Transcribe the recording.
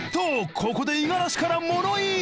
ここで五十嵐から物言い！